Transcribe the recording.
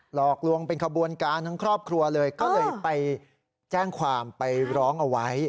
หลอกลวงเป็นขบวนการทั้งครอบครัวเลยก็เลยไปแจ้งความไปร้องเอาไว้